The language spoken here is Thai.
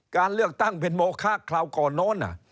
การเลือกตั้งเป็นโมคะคราวก่อนโน้น